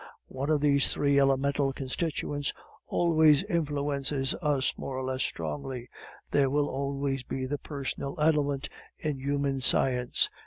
One of these three elemental constituents always influences us more or less strongly; there will always be the personal element in human science.